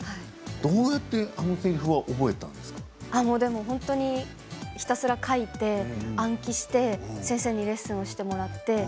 どうやってひたすら書いて暗記して先生にレッスンしてもらって。